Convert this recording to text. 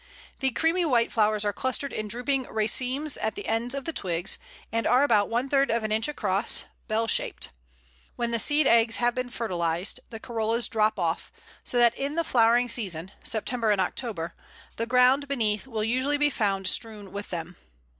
The creamy white flowers are clustered in drooping racemes at the ends of the twigs, and are about one third of an inch across, bell shaped. When the seed eggs have been fertilized the corollas drop off, so that in the flowering season (September and October) the ground beneath will usually be found strewn with them.